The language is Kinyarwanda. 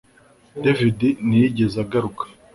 David ntiyigeze agaruka